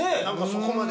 そこまで。